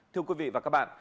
thưa quý vị và các bạn